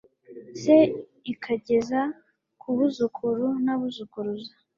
se ikageza ku buzukuru n abuzukuruza